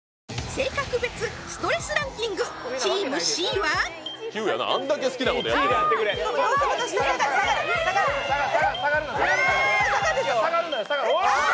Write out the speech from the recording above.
性格別ストレスランキングチームＣは９やなあんだけ好きなことやってるどうせまた下がる下がる下がるの下がるのよ下がるのよ